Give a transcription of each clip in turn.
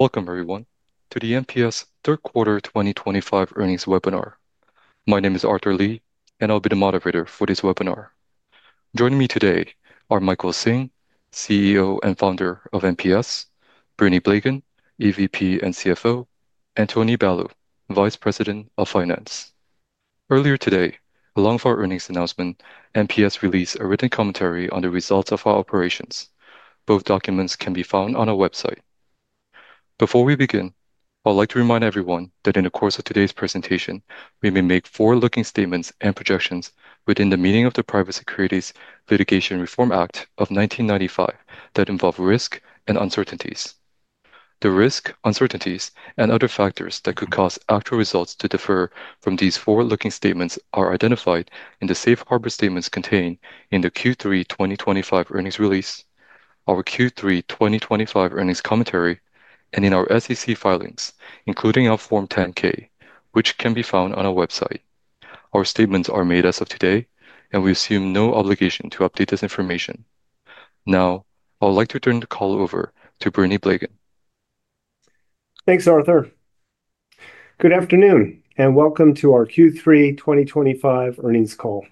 Welcome, everyone, to the MPS third quarter 2025 earnings webinar. My name is Arthur Lee, and I'll be the moderator for this webinar. Joining me today are Michael Hsing, CEO and Founder of MPS, Bernie Blegen, EVP and CFO, and Tony Balow, Vice President of Finance. Earlier today, along with our earnings announcement, MPS released a written commentary on the results of our operations. Both documents can be found on our website. Before we begin, I'd like to remind everyone that in the course of today's presentation, we may make forward-looking statements and projections within the meaning of the Private Securities Litigation Reform Act of 1995 that involve risk and uncertainties. The risks, uncertainties, and other factors that could cause actual results to differ from these forward-looking statements are identified in the Safe Harbor Statements contained in the Q3 2025 earnings release, our Q3 2025 earnings commentary, and in our SEC filings, including our Form 10-K, which can be found on our website. Our statements are made as of today, and we assume no obligation to update this information. Now, I would like to turn the call over to Bernie Blegen. Thanks, Arthur. Good afternoon, and welcome to our Q3 2025 earnings call.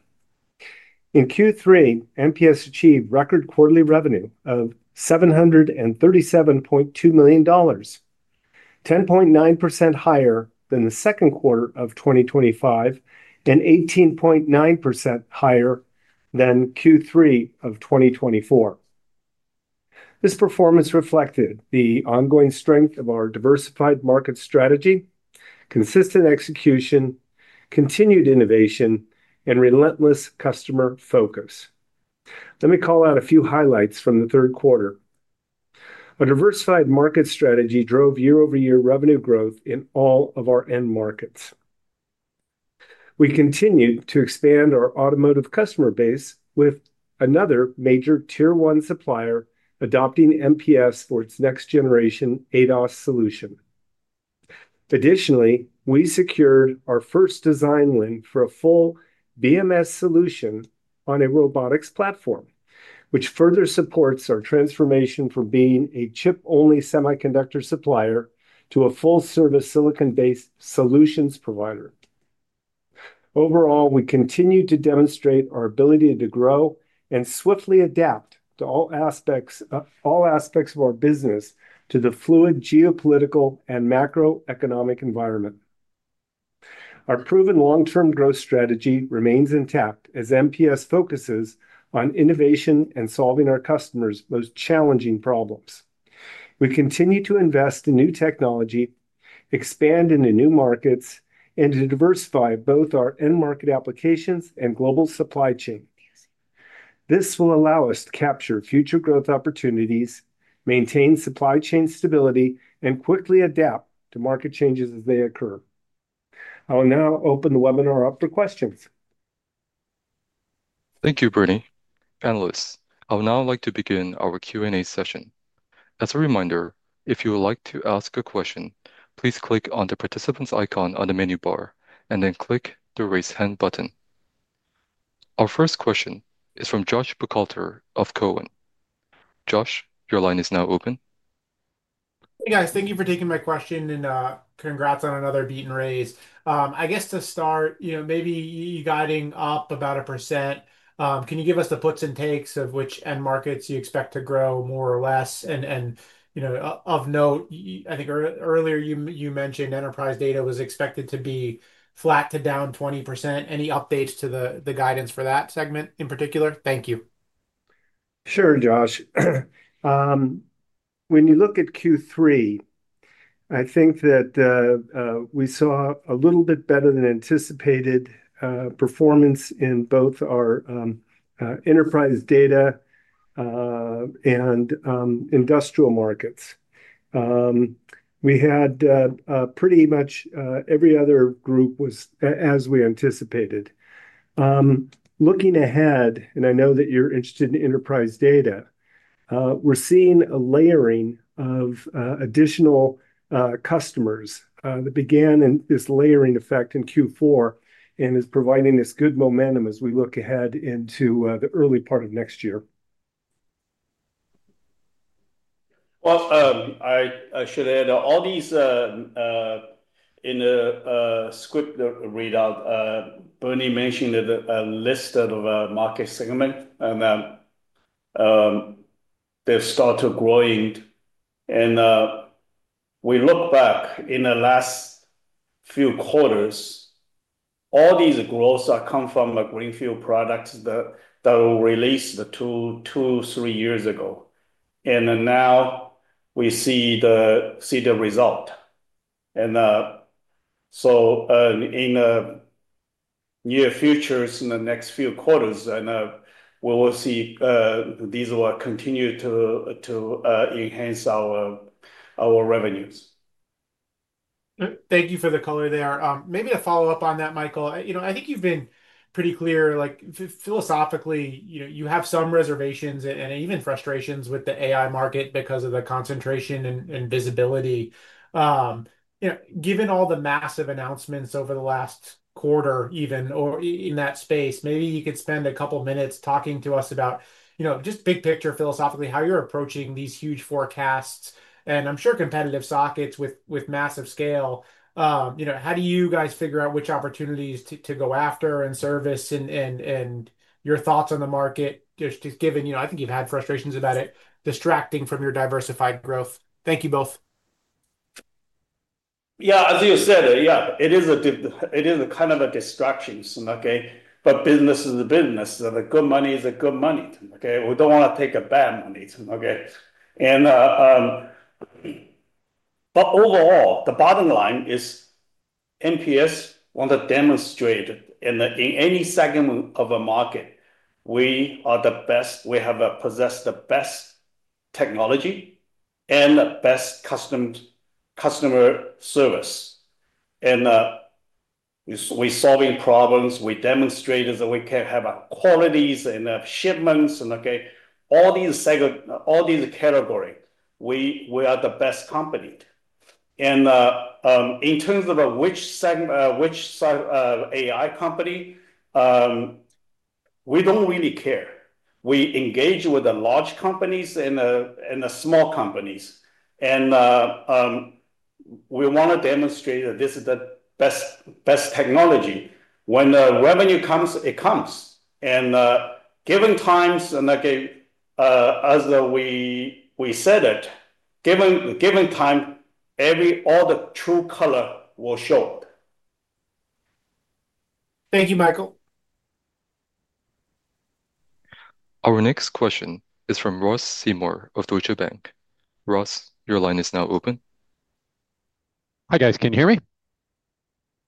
In Q3, MPS achieved record quarterly revenue of $737.2 million, 10.9% higher than the second quarter of 2025 and 18.9% higher than Q3 of 2024. This performance reflected the ongoing strength of our diversified market strategy, consistent execution, continued innovation, and relentless customer focus. Let me call out a few highlights from the third quarter. Our diversified market strategy drove year-over-year revenue growth in all of our end markets. We continued to expand our automotive customer base with another major Tier 1 supplier adopting MPS for its next-generation ADAS solution. Additionally, we secured our first design win for a full battery management system solution on a robotics platform, which further supports our transformation from being a chip-only semiconductor supplier to a full-service silicon-based solutions provider. Overall, we continue to demonstrate our ability to grow and swiftly adapt to all aspects of our business to the fluid geopolitical and macroeconomic environment. Our proven long-term growth strategy remains intact as MPS focuses on innovation and solving our customers' most challenging problems. We continue to invest in new technology, expand into new markets, and to diversify both our end market applications and global supply chain. This will allow us to capture future growth opportunities, maintain supply chain stability, and quickly adapt to market changes as they occur. I will now open the webinar up for questions. Thank you, Bernie. Panelists, I would now like to begin our Q&A session. As a reminder, if you would like to ask a question, please click on the participant's icon on the menu bar and then click the raise hand button. Our first question is from Josh Buchalter of Cowen. Josh, your line is now open. Hey, guys. Thank you for taking my question and congrats on another beat and raise. I guess to start, maybe you guiding up about 1%. Can you give us the puts and takes of which end markets you expect to grow more or less? Of note, I think earlier you mentioned enterprise data was expected to be flat to down 20%. Any updates to the guidance for that segment in particular? Thank you. Sure, Josh. When you look at Q3, I think that we saw a little bit better than anticipated performance in both our enterprise data and industrial markets. Pretty much every other group was as we anticipated. Looking ahead, I know that you're interested in enterprise data. We're seeing a layering of additional customers that began in this layering effect in Q4 and is providing this good momentum as we look ahead into the early part of next year. I should add all these. In a script readout, Bernie mentioned a list of market segments, and they started growing. We look back in the last few quarters, all these growths come from greenfield products that were released two, three years ago. Now we see the result. In the near future, in the next few quarters, we will see these will continue to enhance our revenues. Thank you for the color there. Maybe to follow up on that, Michael, I think you've been pretty clear. Philosophically, you have some reservations and even frustrations with the AI market because of the concentration and visibility. Given all the massive announcements over the last quarter, even in that space, maybe you could spend a couple of minutes talking to us about just big picture philosophically, how you're approaching these huge forecasts and I'm sure competitive sockets with massive scale. How do you guys figure out which opportunities to go after and service and your thoughts on the market, just given I think you've had frustrations about it, distracting from your diversified growth? Thank you both. Yeah, as you said, it is a kind of a distraction, okay? Business is a business. The good money is a good money, okay? We don't want to take a bad money, okay? Overall, the bottom line is MPS wants to demonstrate in any segment of a market we are the best. We have possessed the best technology and the best customer service. We're solving problems. We demonstrated that we can have qualities and shipments. In all these categories, we are the best company. In terms of which AI company, we don't really care. We engage with the large companies and the small companies. We want to demonstrate that this is the best technology. When the revenue comes, it comes. Given times, as we said it, given time, all the true color will show. Thank you, Michael. Our next question is from Ross Seymore of Deutsche Bank. Ross, your line is now open. Hi, guys. Can you hear me?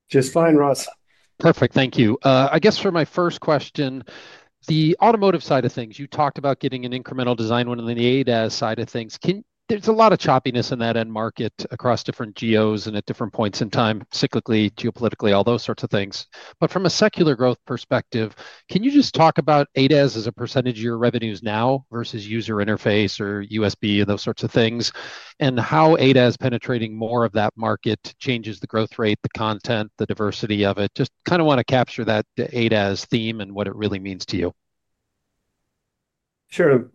Just fine, Ross. Perfect. Thank you. I guess for my first question, the automotive side of things, you talked about getting an incremental design win on the ADAS side of things. There's a lot of choppiness in that end market across different GOs and at different points in time, cyclically, geopolitically, all those sorts of things. From a secular growth perspective, can you just talk about ADAS as a percentage of your revenues now versus user interface or USB and those sorts of things, and how ADAS penetrating more of that market changes the growth rate, the content, the diversity of it? I just kind of want to capture that ADAS theme and what it really means to you. Sure.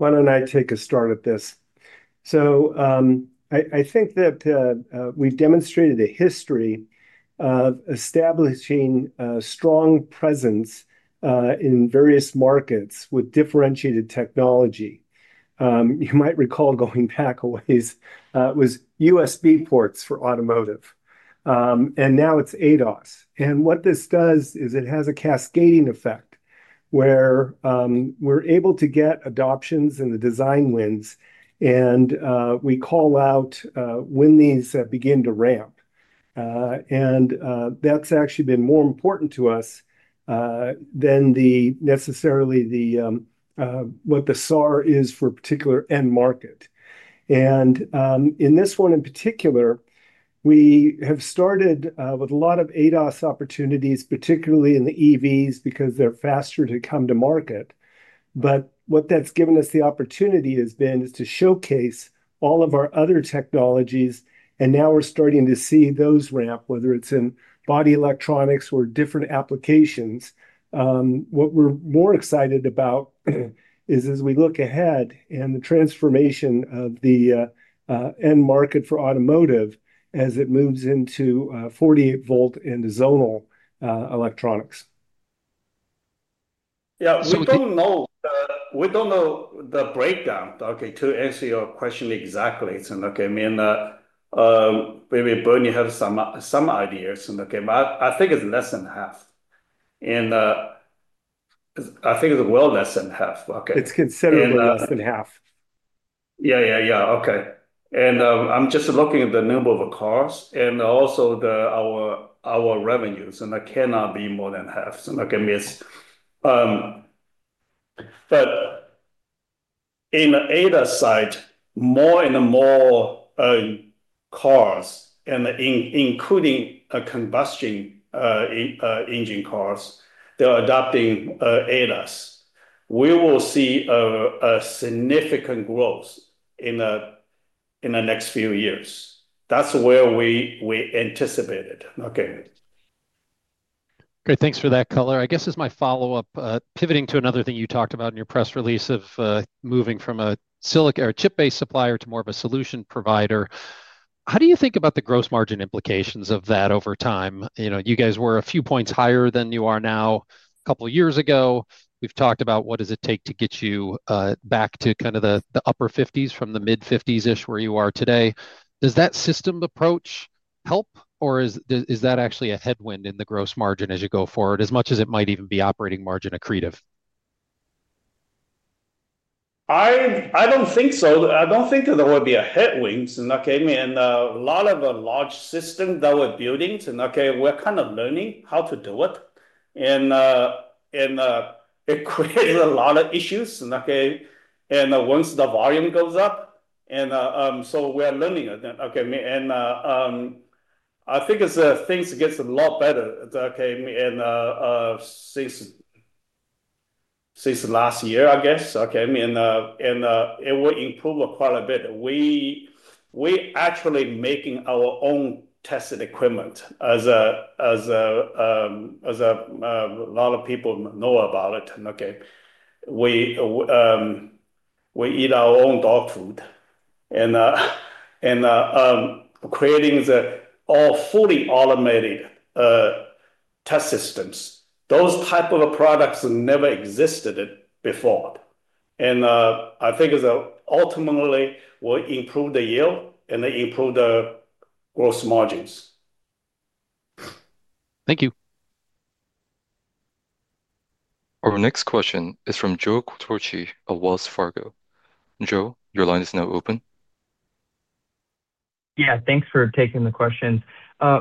I think that we've demonstrated a history of establishing a strong presence in various markets with differentiated technology. You might recall going back a ways, it was USB ports for automotive, and now it's ADAS. What this does is it has a cascading effect where we're able to get adoptions and the design wins. We call out when these begin to ramp, and that's actually been more important to us than necessarily what the SAR is for a particular end market. In this one in particular, we have started with a lot of ADAS opportunities, particularly in the EVs because they're faster to come to market. What that's given us the opportunity has been is to showcase all of our other technologies, and now we're starting to see those ramp, whether it's in body electronics or different applications. What we're more excited about is as we look ahead and the transformation of the end market for automotive as it moves into 48V and zonal electronics. We don't know the breakdown to answer your question exactly. Maybe Bernie has some ideas. I think it's less than half. I think it's well less than half. It's considerably less than half. Okay. I'm just looking at the number of cars and also our revenues. That cannot be more than half. In the ADAS side, more and more cars, including combustion engine cars, they're adopting ADAS. We will see a significant growth in the next few years. That's where we anticipate it. Great. Thanks for that, color. I guess as my follow-up, pivoting to another thing you talked about in your press release of moving from a silicon or chip-based supplier to more of a solution provider, how do you think about the gross margin implications of that over time? You guys were a few points higher than you are now a couple of years ago. We've talked about what does it take to get you back to kind of the upper 50% from the mid-50%-ish where you are today. Does that system approach help, or is that actually a headwind in the gross margin as you go forward, as much as it might even be operating margin accretive? I don't think so. I don't think that there would be a headwind. A lot of large systems that we're building, we're kind of learning how to do it. It creates a lot of issues. Once the volume goes up, we're learning it. I think things get a lot better. Since last year, I guess, it will improve quite a bit. We're actually making our own test equipment, as a lot of people know about it. We eat our own dog food. Creating all fully automated test systems, those types of products never existed before. I think ultimately we'll improve the yield and improve the gross margins. Thank you. Our next question is from Joe Quatrochi of Wells Fargo. Joe, your line is now open. Yeah, thanks for taking the questions.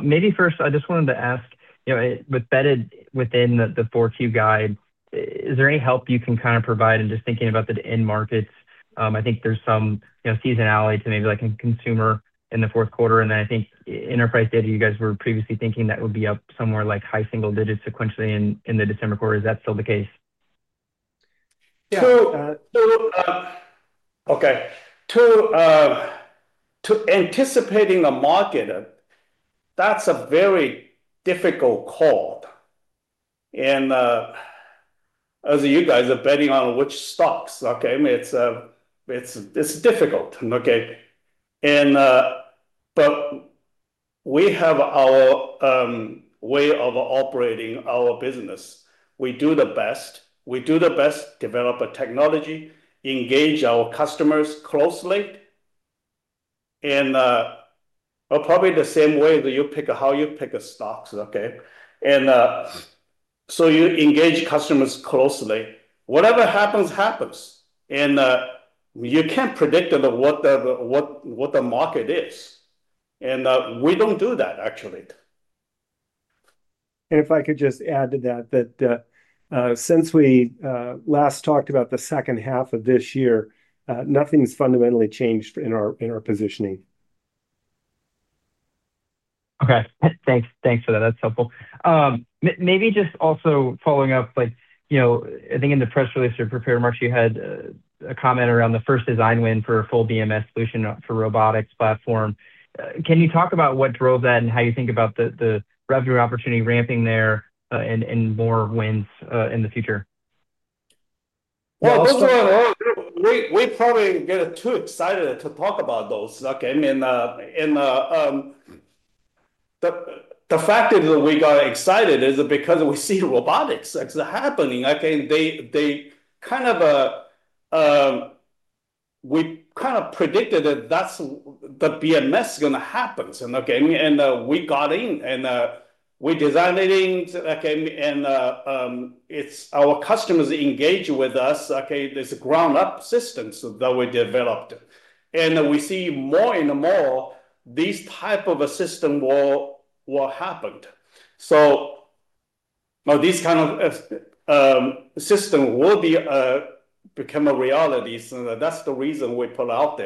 Maybe first, I just wanted to ask, you know, with bedded within the 4Q guide, is there any help you can kind of provide in just thinking about the end markets? I think there's some seasonality to maybe like a consumer in the fourth quarter. I think enterprise data, you guys were previously thinking that would be up somewhere like high single digits sequentially in the December quarter. Is that still the case? Anticipating a market, that's a very difficult call. As you guys are betting on which stocks, it's difficult. We have our way of operating our business. We do the best, develop a technology, engage our customers closely. Probably the same way that you pick how you pick stocks, okay? You engage customers closely. Whatever happens, happens. You can't predict what the market is, and we don't do that, actually. Since we last talked about the second half of this year, nothing's fundamentally changed in our positioning. Okay. Thanks for that. That's helpful. Maybe just also following up, like, you know, I think in the press release or prepared remarks, you had a comment around the first design win for a full battery management system solution for robotics platform. Can you talk about what drove that and how you think about the revenue opportunity ramping there and more wins in the future? Yeah. We probably get too excited to talk about those. The fact is that we got excited because we see robotics happening. We kind of predicted that that's the BMS going to happen. We got in and we designed it in. Our customers engage with us. There's a ground-up system that we developed, and we see more and more these type of a system will happen. These kind of systems will become a reality. That's the reason we put out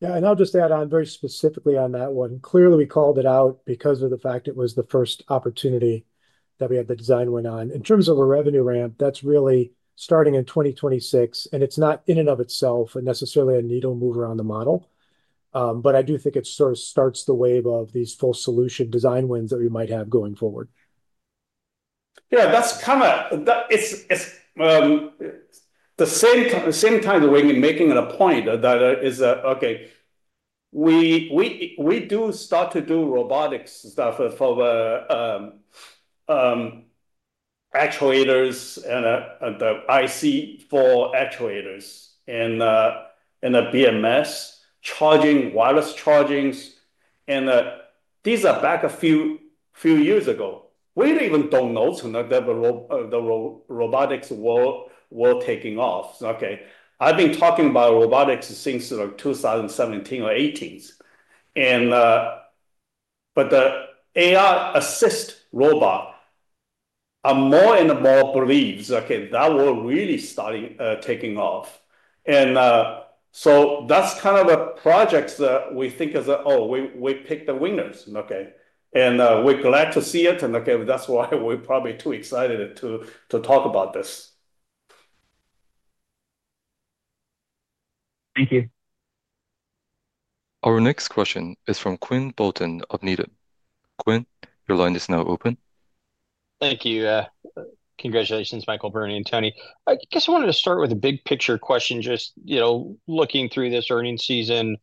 there. I'll just add on very specifically on that one. Clearly, we called it out because of the fact it was the first opportunity that we had the design win on. In terms of a revenue ramp, that's really starting in 2026. It's not in and of itself necessarily a needle mover on the model, but I do think it sort of starts the wave of these full solution design wins that we might have going forward. Yeah. That's kind of the same kind of way in making a point that is, okay. We do start to do robotics stuff for the actuators and the IC for actuators and the BMS charging, wireless chargings. These are back a few years ago. We didn't even know that the robotics world was taking off. I've been talking about robotics since 2017 or 2018. The AI-assist robot are more and more beliefs, okay, that we're really starting taking off. That's kind of a project that we think is, oh, we picked the winners. We're glad to see it. That's why we're probably too excited to talk about this. Thank you. Our next question is from Quinn Bolton of Needham. Quinn, your line is now open. Thank you. Congratulations, Michael, Bernie, and Tony. I guess I wanted to start with a big picture question, just, you know, looking through this earnings season,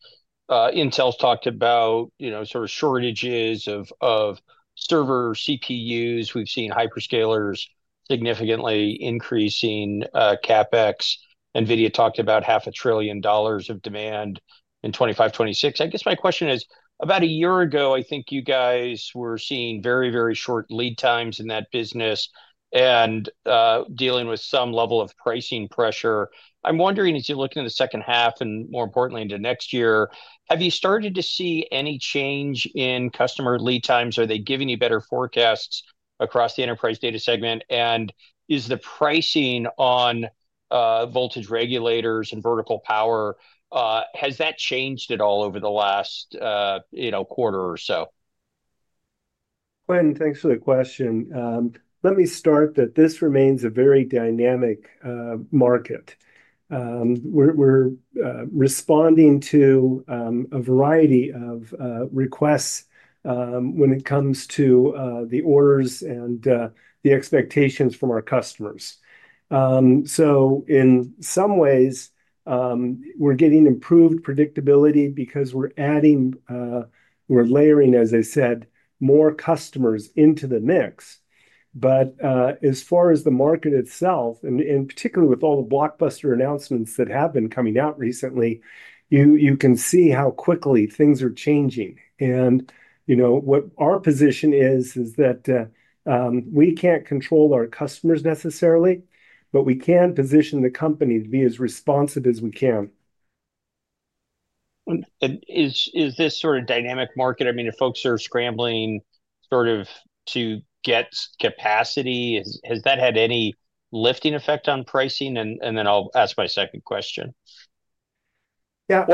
Intel's talked about, you know, sort of shortages of server CPUs. We've seen hyperscalers significantly increasing CapEx. NVIDIA talked about $0.5 trillion of demand in 2025 and 2026. I guess my question is, about a year ago, I think you guys were seeing very, very short lead times in that business and dealing with some level of pricing pressure. I'm wondering, as you're looking at the second half and more importantly into next year, have you started to see any change in customer lead times? Are they giving you better forecasts across the enterprise data segment? Is the pricing on voltage regulators and vertical power, has that changed at all over the last quarter or so? Quinn, thanks for the question. Let me start that this remains a very dynamic market. We're responding to a variety of requests when it comes to the orders and the expectations from our customers. In some ways, we're getting improved predictability because we're adding, we're layering, as I said, more customers into the mix. As far as the market itself, particularly with all the blockbuster announcements that have been coming out recently, you can see how quickly things are changing. What our position is, is that we can't control our customers necessarily, but we can position the company to be as responsive as we can. Is this sort of dynamic market? I mean, if folks are scrambling to get capacity, has that had any lifting effect on pricing? I'll ask my second question. Yeah.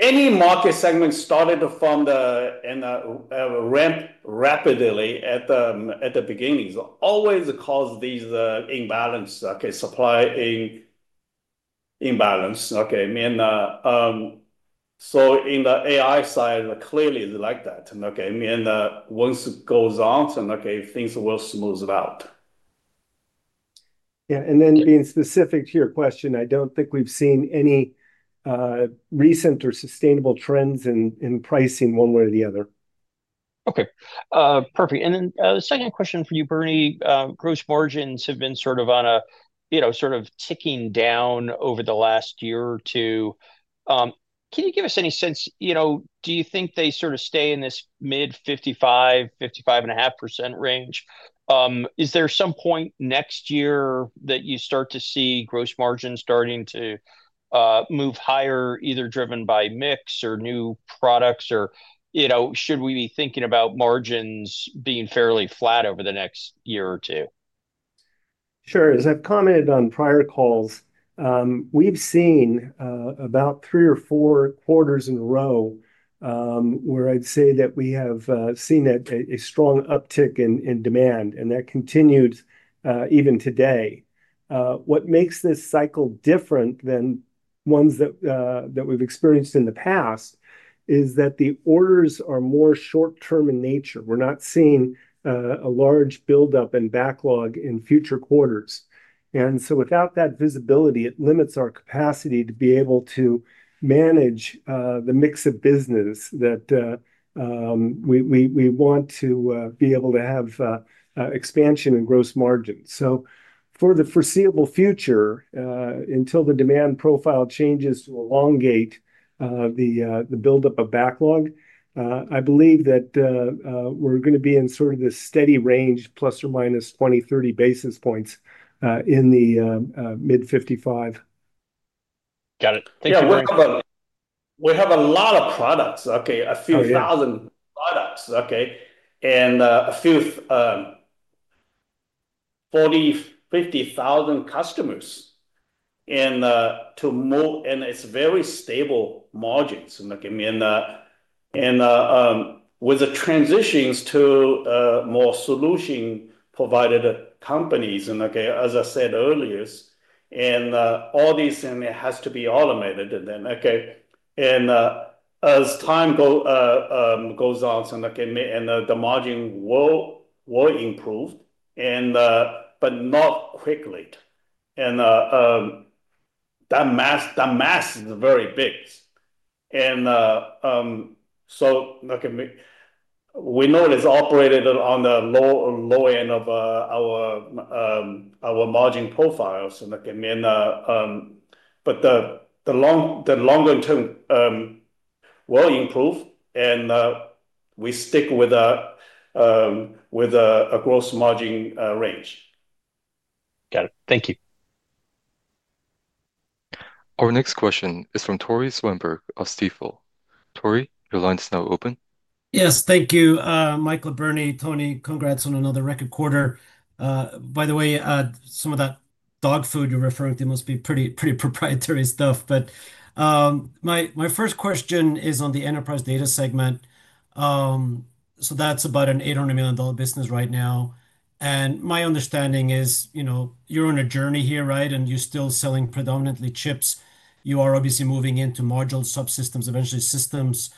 Any market segment started from the ramp rapidly at the beginnings always caused these imbalances, okay, supply imbalance. Okay. I mean, on the AI side, clearly it's like that. I mean, once it goes on, things will smooth out. Yeah. To be specific to your question, I don't think we've seen any recent or sustainable trends in pricing one way or the other. Okay. Perfect. Second question for you, Bernie, gross margins have been sort of ticking down over the last year or two. Can you give us any sense? Do you think they sort of stay in this mid-55%, 55.5% range? Is there some point next year that you start to see gross margins starting to move higher, either driven by mix or new products? Should we be thinking about margins being fairly flat over the next year or two? Sure. As I've commented on prior calls, we've seen about three or four quarters in a row where I'd say that we have seen a strong uptick in demand, and that continues even today. What makes this cycle different than ones that we've experienced in the past is that the orders are more short-term in nature. We're not seeing a large buildup and backlog in future quarters. Without that visibility, it limits our capacity to be able to manage the mix of business that we want to be able to have expansion in gross margins. For the foreseeable future, until the demand profile changes to elongate the buildup of backlog, I believe that we're going to be in sort of the steady range, ±20 basis points, 30 basis points in the mid-55%. Got it. Thanks for that. We have a lot of products, a few thousand products, and a few, 40,000 customers-50,000 customers. To move, it's very stable margins. With the transitions to more solution-provided companies, as I said earlier, all these, it has to be automated. As time goes on, the margin will improve, but not quickly. That mass is very big. We know it is operated on the low end of our margin profiles. The longer term will improve, and we stick with a gross margin range. Got it. Thank you. Our next question is from Tore Svanberg of Stifel. Tore, your line is now open. Yes. Thank you, Michael. Bernie, Tony, congrats on another record quarter. By the way, some of that dog food you're referring to must be pretty proprietary stuff. My first question is on the enterprise data segment. That's about an $800 million business right now. My understanding is you're on a journey here, right? You're still selling predominantly chips. You're obviously moving into module subsystems, eventually systems.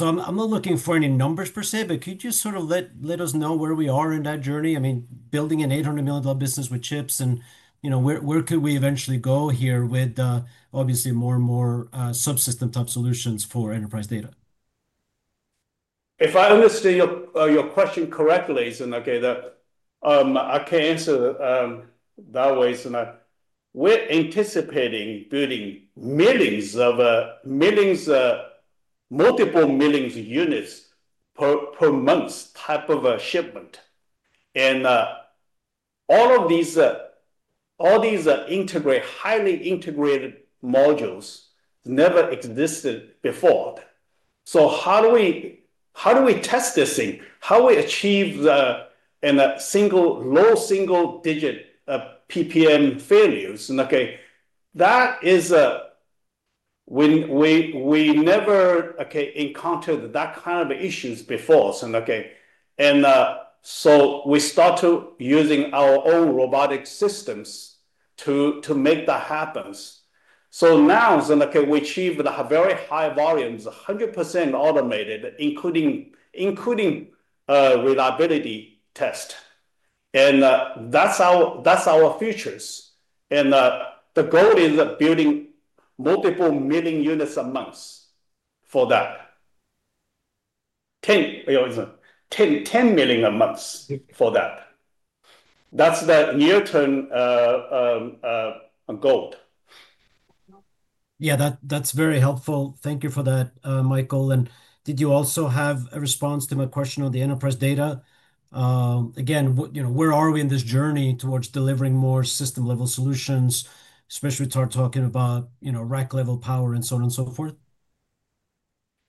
I'm not looking for any numbers per se, but could you sort of let us know where we are in that journey? I mean, building an $800 million business with chips, and where could we eventually go here with obviously more and more subsystem type solutions for enterprise data? If I understand your question correctly, I can answer that way. We're anticipating building multiple millions of units per month type of a shipment. All these highly integrated modules never existed before. How do we test this thing? How do we achieve a single low single digit PPM failures? That is, we never encountered that kind of issues before. We started using our own robotic systems to make that happen. Now we achieved very high volumes, 100% automated, including reliability test. That's our future, and the goal is building multiple million units a month for that. $10 million a month for that. That's the near-term goal. Yeah, that's very helpful. Thank you for that, Michael. Did you also have a response to my question on the enterprise data? Where are we in this journey towards delivering more system-level solutions, especially with our talking about rack-level power and so on and so forth?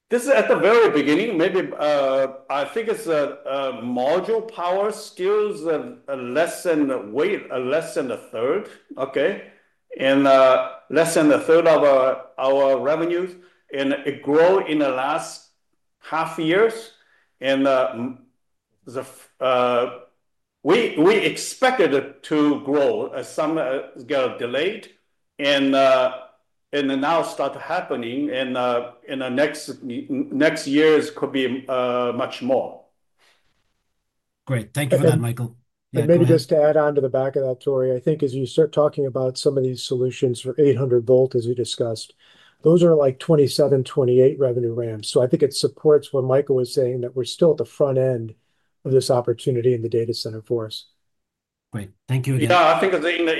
This is at the very beginning. Maybe I think it's module power skills, less than a third, okay, and less than a third of our revenues. It grew in the last half years. We expected it to grow, some got delayed. It now started happening. In the next years, could be much more. Great. Thank you for that, Michael. Maybe just to add on to the back of that, Tore, I think as you start talking about some of these solutions for 800V, as we discussed, those are like 2027, 2028 revenue ramps. I think it supports what Michael was saying, that we're still at the front end of this opportunity in the data center force. Great. Thank you again. I think in the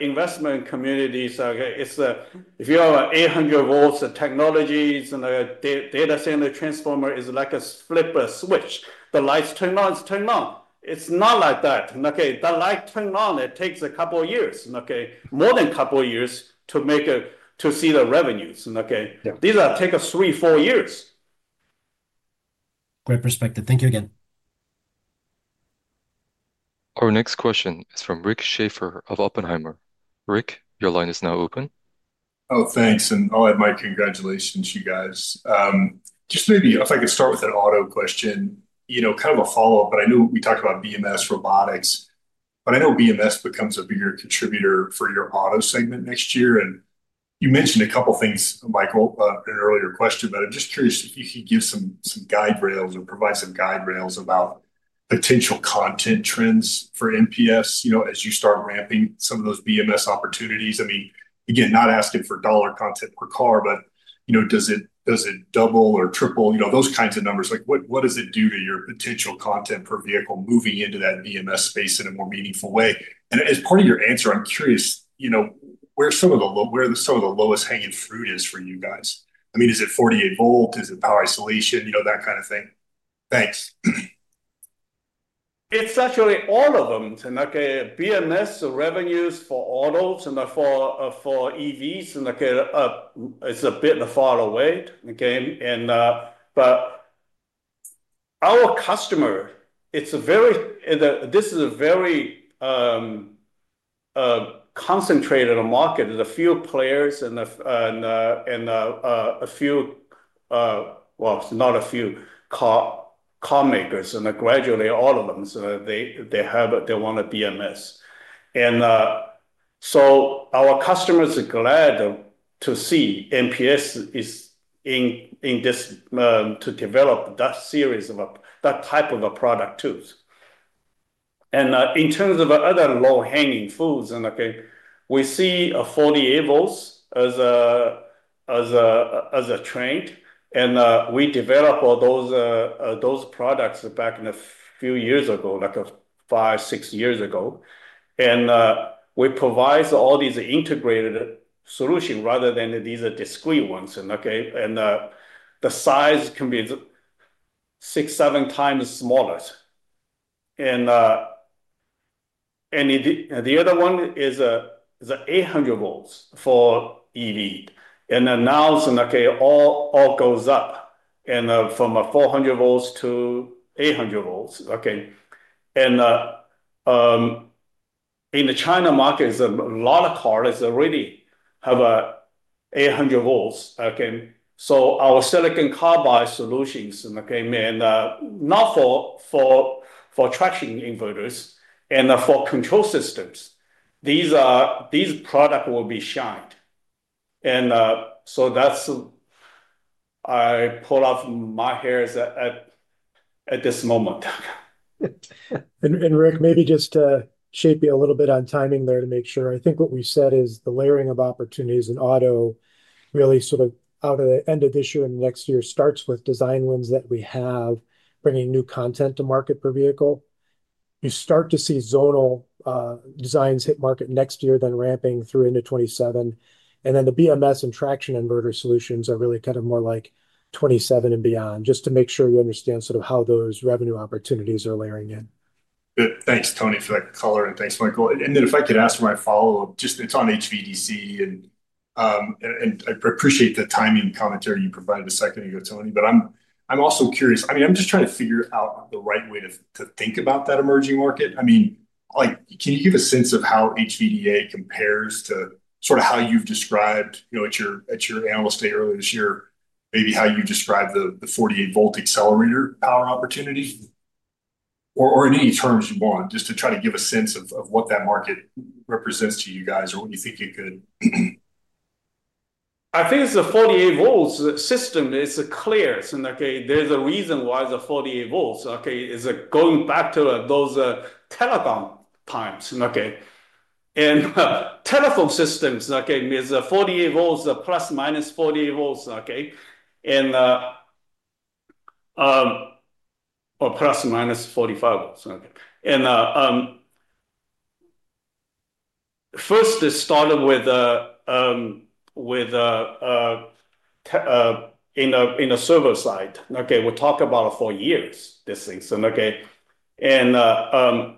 investment communities, if you have an 800V technology, data center transformer is like a flip switch. The lights turn on, turn on. It's not like that. The light turned on, it takes a couple of years, more than a couple of years to see the revenues. These take three, four years. Great perspective. Thank you again. Our next question is from Rick Schafer of Oppenheimer. Rick, your line is now open. Oh, thanks. I'll add my congratulations, you guys. Maybe if I could start with an auto question, kind of a follow-up. I know we talked about BMS robotics, but I know BMS becomes a bigger contributor for your auto segment next year. You mentioned a couple of things, Michael, in an earlier question, but I'm just curious if you could give some guide rails or provide some guide rails about potential content trends for MPS as you start ramping some of those BMS opportunities. I mean, again, not asking for dollar content per car, but does it double or triple, those kinds of numbers? What does it do to your potential content per vehicle moving into that BMS space in a more meaningful way? As part of your answer, I'm curious where some of the lowest hanging fruit is for you guys. Is it 48V? Is it power isolation? That kind of thing. Thanks. It's actually all of them. BMS revenues for autos and for EVs. It's a bit far away. Our customer, it's a very concentrated market. There's a few players. Well, it's not a few carmakers, and gradually all of them, they want a BMS. Our customers are glad to see MPS is in this to develop that series of that type of a product tools. In terms of other low-hanging fruits, we see 48V as a trend. We developed those products back a few years ago, like five, six years ago. We provide all these integrated solutions rather than these discrete ones, and the size can be 6x-7x smaller. The other one is 800V for EV. Now all goes up, and from 400V to 800V. In the China market, a lot of cars already have 800V. Our silicon carbide solutions, not for traction inverters and for control systems, these products will be shined. That's, I pulled off my hair at this moment. Rick, maybe just to shape you a little bit on timing there to make sure. I think what we said is the layering of opportunities in auto really sort of out of the end of this year and the next year starts with design wins that we have, bringing new content to market per vehicle. You start to see zonal designs hit market next year, then ramping through into 2027. The battery management system and traction inverter solutions are really kind of more like 2027 and beyond, just to make sure you understand sort of how those revenue opportunities are layering in. Good. Thanks, Tony, for that color. Thanks, Michael. If I could ask for my follow-up, it's on HVDC. I appreciate the timing commentary you provided a second ago, Tony, but I'm also curious. I'm just trying to figure out the right way to think about that emerging market. Can you give a sense of how HVDC compares to how you've described at your analyst day earlier this year, maybe how you describe the 48V accelerator power opportunity? Or in any terms you want, just to try to give a sense of what that market represents to you guys or what you think it could. I think it's a 48V system. It's clear. There's a reason why it's 48V. It's going back to those telecom times. Telephone systems are 48V, ±48V, or ±45V. First, it started with the server side. We talk about four years, this thing. It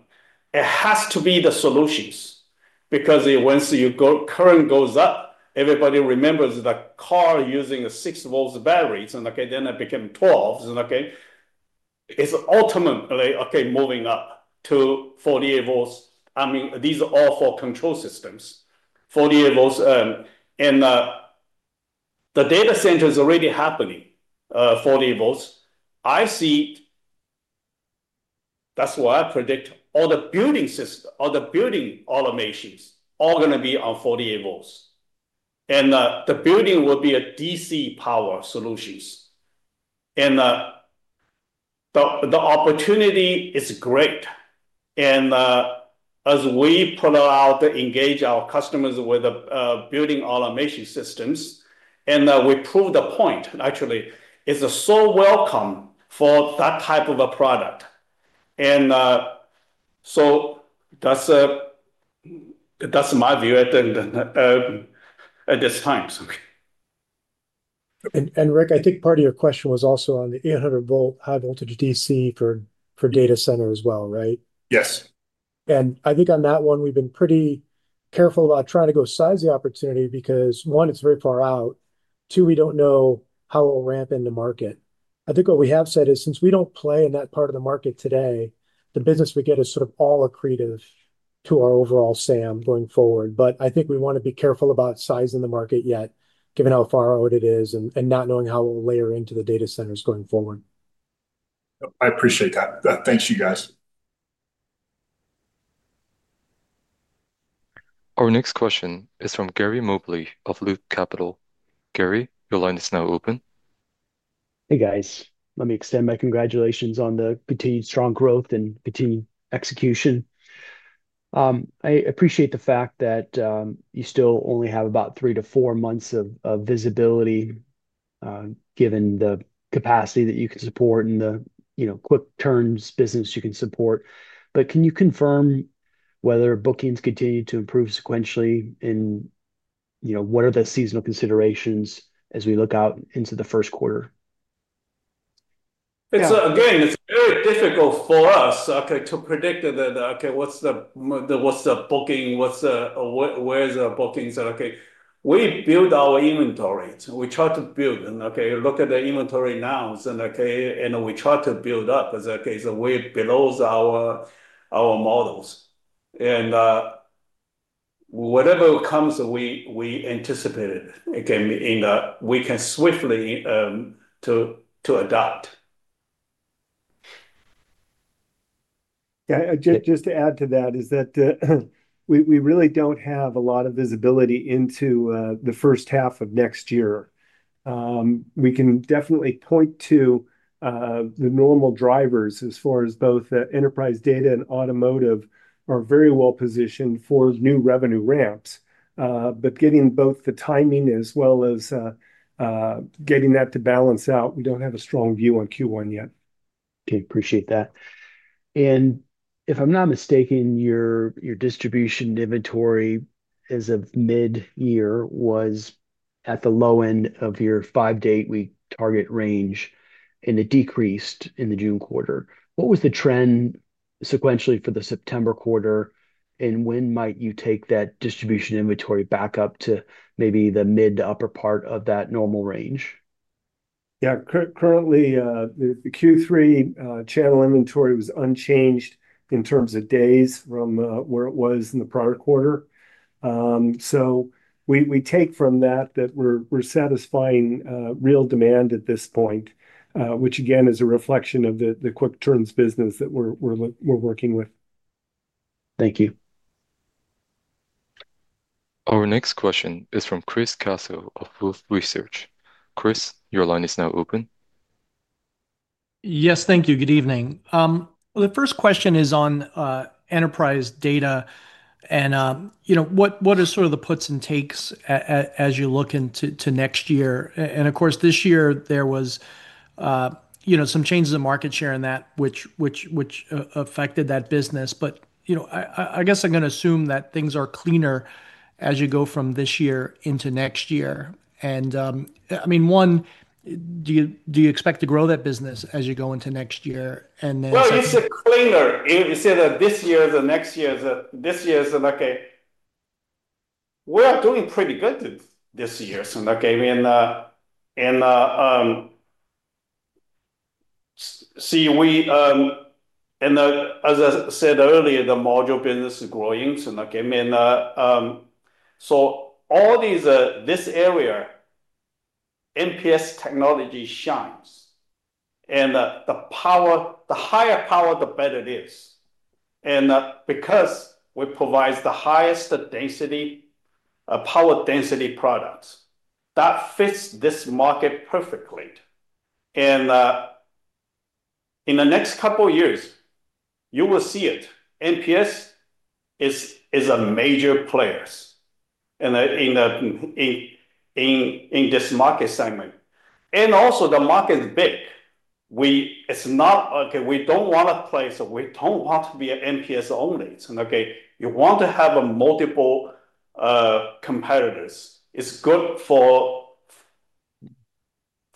has to be the solutions because once your current goes up, everybody remembers the car using a 6V battery, then it became 12V, and it's ultimately moving up to 48V. These are all for control systems, 48V. The data center is already happening, 48V. I see. That's why I predict all the building systems, all the building automations are going to be on 48V, and the building will be a DC power solutions. The opportunity is great. As we put out, engage our customers with building automation systems, and we prove the point, actually, it's so welcome for that type of a product. That's my view at this time. Rick, I think part of your question was also on the 800V high voltage DC for data center as well, right? Yes. I think on that one, we've been pretty careful about trying to go size the opportunity because, one, it's very far out. Two, we don't know how it will ramp into market. I think what we have said is since we don't play in that part of the market today, the business we get is sort of all accretive to our overall SAM going forward. I think we want to be careful about sizing the market yet, given how far out it is and not knowing how it will layer into the data centers going forward. I appreciate that. Thanks, you guys. Our next question is from Gary Mobley of Loop Capital. Gary, your line is now open. Hey, guys. Let me extend my congratulations on the continued strong growth and continued execution. I appreciate the fact that you still only have about three to four months of visibility, given the capacity that you can support and the quick turns business you can support. Can you confirm whether bookings continue to improve sequentially, and what are the seasonal considerations as we look out into the first quarter? It's very difficult for us to predict that, okay, what's the booking? Where's the bookings? We build our inventory. We try to build. Look at the inventory now. We try to build up as a case way below our models. Whatever comes, we anticipate it. We can swiftly adapt. Yeah, just to add to that, we really don't have a lot of visibility into the first half of next year. We can definitely point to the normal drivers as far as both enterprise data and automotive are very well positioned for new revenue ramps, but getting both the timing as well as getting that to balance out, we don't have a strong view on Q1 yet. Okay. Appreciate that. If I'm not mistaken, your distribution inventory as of mid-year was at the low end of your five to eight-week target range, and it decreased in the June quarter. What was the trend sequentially for the September quarter? When might you take that distribution inventory back up to maybe the mid to upper part of that normal range? Yeah. Currently, the Q3 channel inventory was unchanged in terms of days from where it was in the prior quarter. We take from that that we're satisfying real demand at this point, which again is a reflection of the quick turns business that we're working with. Thank you. Our next question is from Chris Caso of Wolfe Research. Chris, your line is now open. Yes, thank you. Good evening. The first question is on enterprise data. What are sort of the puts and takes as you look into next year? This year there was some changes in market share in that, which affected that business. I guess I'm going to assume that things are cleaner as you go from this year into next year. I mean, one, do you expect to grow that business as you go into next year? It’s cleaner. You see that this year is the next year’s. This year’s, okay. We are doing pretty good this year. As I said earlier, the module business is growing. All these, this area, MPS technology shines. The higher power, the better it is, because we provide the highest density power density products that fit this market perfectly. In the next couple of years, you will see it. MPS is a major player in this market segment. Also, the market is big. It’s not okay. We don’t want to play. We don’t want to be a MPS only. You want to have multiple competitors. It’s good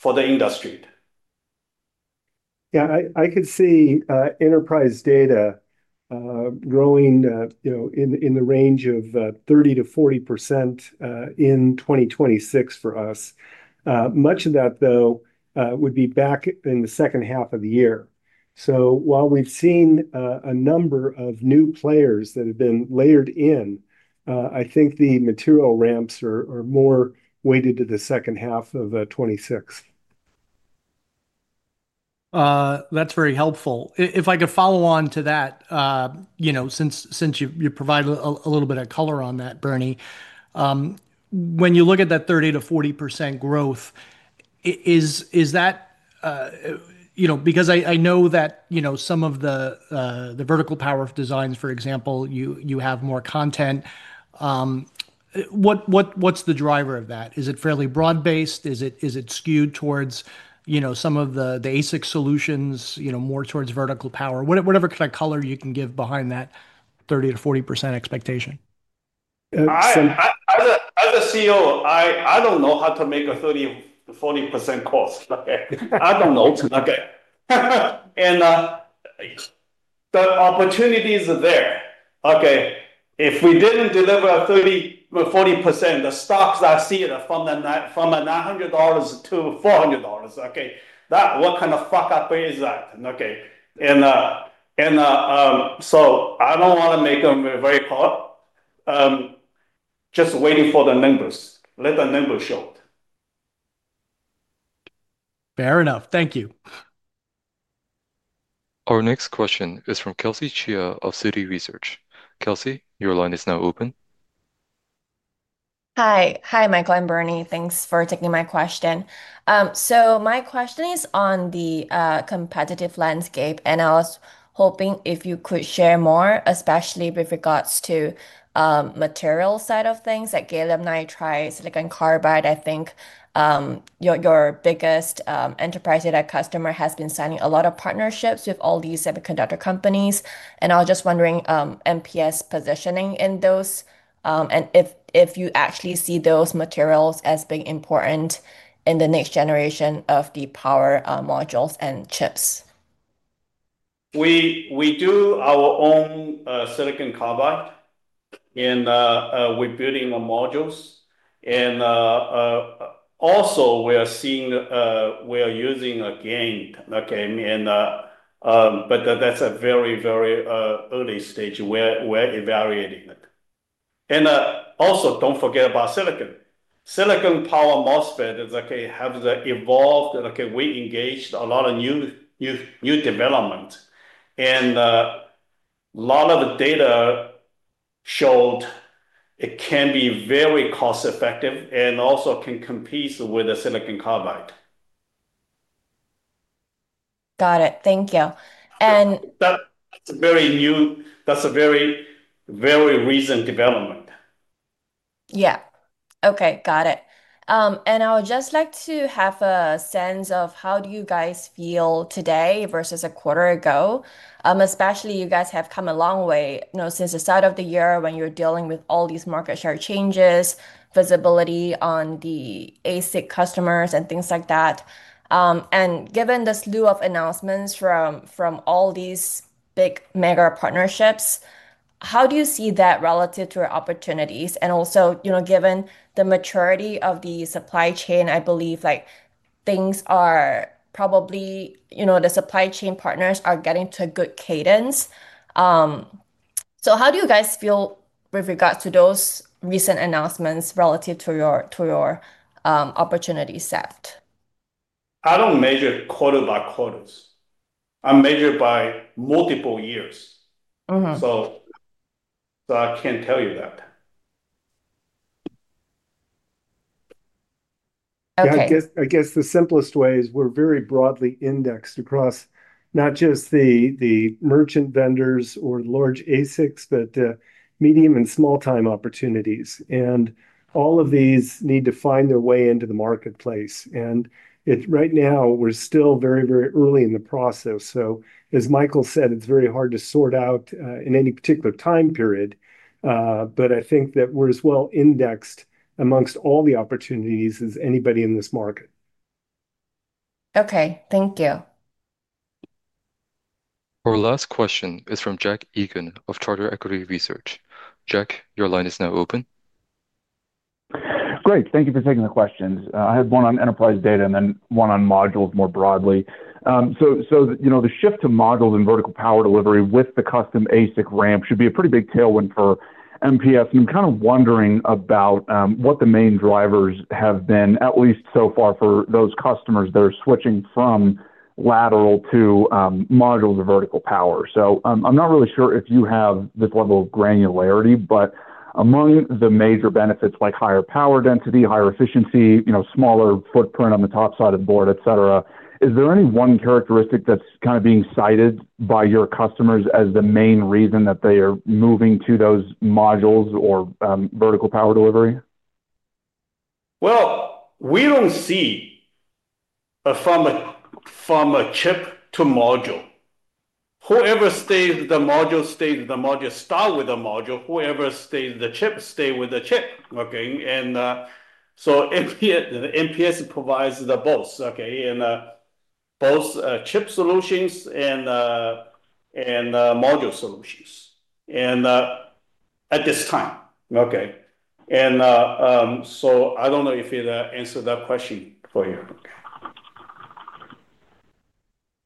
for the industry. Yeah, I could see enterprise data growing in the range of 30%-40% in 2026 for us. Much of that, though, would be back in the second half of the year. While we've seen a number of new players that have been layered in, I think the material ramps are more weighted to the second half of 2026. That's very helpful. If I could follow on to that. Since you provided a little bit of color on that, Bernie. When you look at that 30%-40% growth, is that because I know that some of the vertical power designs, for example, you have more content. What's the driver of that? Is it fairly broad-based? Is it skewed towards some of the ASIC solutions, more towards vertical power? Whatever kind of color you can give behind that 30%-40% expectation. As a CEO, I don't know how to make a 30%-40% cost. I don't know. The opportunity is there. If we didn't deliver a 30%-40%, the stocks I see from $900 to $400, what kind of fuck-up is that? I don't want to make them very hot, just waiting for the numbers. Let the numbers show it. Fair enough. Thank you. Our next question is from Kelsey Chia of Citi Research. Kelsey, your line is now open. Hi, Michael and Bernie. Thanks for taking my question. My question is on the competitive landscape. I was hoping you could share more, especially with regards to the material side of things, like gallium nitride and silicon carbide. I think your biggest enterprise data customer has been signing a lot of partnerships with all these semiconductor companies. I was just wondering about MPS' positioning in those, and if you actually see those materials as being important in the next generation of the power modules and chips. We do our own silicon carbide. We're building modules. Also, we are seeing we are using again. That's a very, very early stage. We're evaluating it. Also, don't forget about silicon. Silicon power MOSFETs have evolved. We engaged a lot of new developments. A lot of the data showed it can be very cost-effective and also can compete with the silicon carbide. Got it. Thank you. That's a very, very recent development. Yeah. Okay. Got it. I would just like to have a sense of how do you guys feel today versus a quarter ago? Especially you guys have come a long way since the start of the year when you're dealing with all these market share changes, visibility on the ASIC customers, and things like that. Given the slew of announcements from all these big mega partnerships, how do you see that relative to your opportunities? Also, given the maturity of the supply chain, I believe things are probably—the supply chain partners are getting to a good cadence. How do you guys feel with regards to those recent announcements relative to your opportunity set? I don't measure quarter by quarters. I measure by multiple years. I can't tell you that. I guess the simplest way is we're very broadly indexed across not just the merchant vendors or large ASICs, but medium and small-time opportunities. All of these need to find their way into the marketplace. Right now, we're still very, very early in the process. As Michael said, it's very hard to sort out in any particular time period. I think that we're as well indexed amongst all the opportunities as anybody in this market. Okay, thank you. Our last question is from Jack Egan of Charter Equity Research. Jack, your line is now open. Great. Thank you for taking the questions. I had one on enterprise data and then one on modules more broadly. The shift to modules and vertical power delivery with the custom ASIC ramp should be a pretty big tailwind for MPS. I'm kind of wondering about what the main drivers have been, at least so far, for those customers that are switching from lateral to modules or vertical power. I'm not really sure if you have this level of granularity, but among the major benefits, like higher power density, higher efficiency, smaller footprint on the top side of the board, etc., is there any one characteristic that's being cited by your customers as the main reason that they are moving to those modules or vertical power delivery? From a chip to module, whoever stays with the module stays with the module. Start with the module. Whoever stays with the chip stays with the chip. MPS provides both, both chip solutions and module solutions at this time. I don't know if it answered that question for you.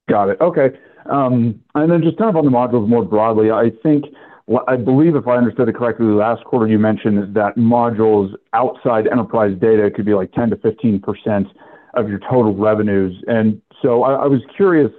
Got it. Okay. Just kind of on the modules more broadly, I believe, if I understood it correctly, the last quarter you mentioned that modules outside enterprise data could be like 10%-15% of your total revenues. I was curious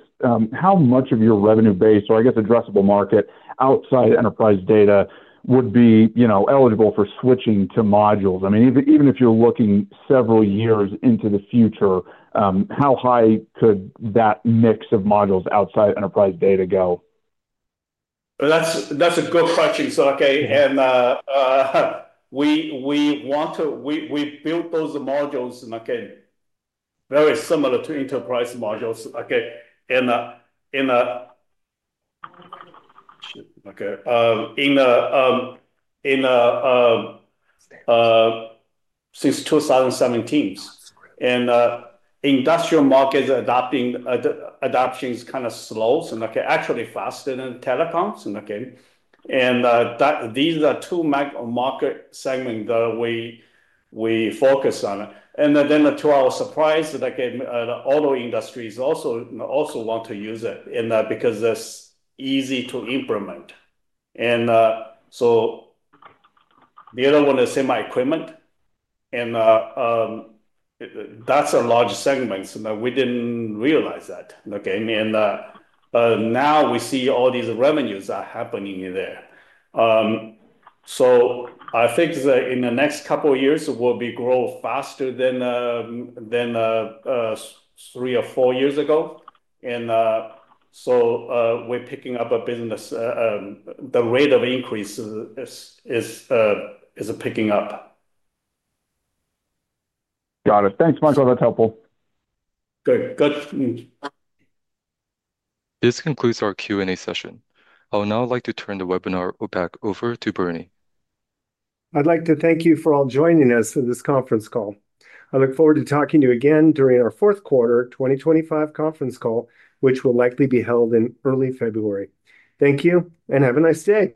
how much of your revenue base, or I guess addressable market outside enterprise data, would be eligible for switching to modules, even if you're looking several years into the future. How high could that mix of modules outside enterprise data go? That's a good question. We build those modules, very similar to enterprise modules, in 2017. Industrial market adoption is kind of slow, actually faster than telecoms. These are two market segments that we focus on. To our surprise, the auto industries also want to use it because it's easy to implement. The other one is semi-equipment, and that's a large segment. We didn't realize that. Now we see all these revenues are happening there. I think in the next couple of years, we'll be growing faster than three or four years ago. We're picking up a business. The rate of increase is picking up. Got it. Thanks, Michael. That's helpful. Good. Good. This concludes our Q&A session. I would now like to turn the webinar back over to Bernie. I'd like to thank you for all joining us for this conference call. I look forward to talking to you again during our fourth quarter 2025 conference call, which will likely be held in early February. Thank you and have a nice day.